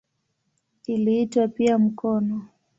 Iliitwa pia "mkono".